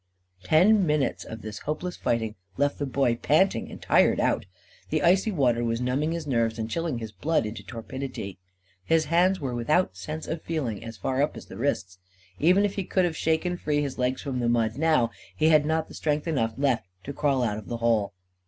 Ten minutes of this hopeless fighting left the Boy panting and tired out. The icy water was numbing his nerves and chilling his blood into torpidity. His hands were without sense of feeling, as far up as the wrists. Even if he could have shaken free his legs from the mud, now, he had not strength enough left to crawl out of the hole.